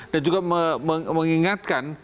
dan juga mengingatkan